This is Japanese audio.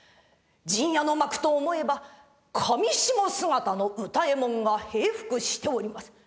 陣屋の幕と思えば裃姿の歌右衛門が平伏しております。